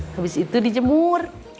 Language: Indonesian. habis itu dijemur